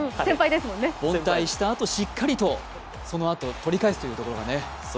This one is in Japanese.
凡退したあとしっかりと、そのあと取り返すというね。